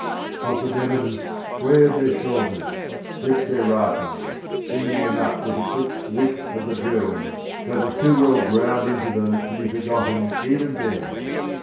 But the Devons squared their shoulders, gripped their rifles bringing them up with the quick whip of the drill, that was too well ground into them to be forgotten even then.